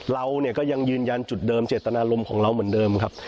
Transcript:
เราเนี่ยก็ยังยืนยันจุดเดิมเจตนารมณ์ของเราเหมือนเดิมครับ